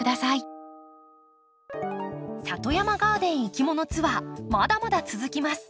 里山ガーデンいきものツアーまだまだ続きます。